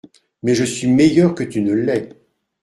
Mais je suis meilleure que tu ne l'es.